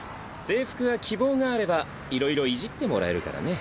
制服は希望があればいろいろいじってもらえるからね。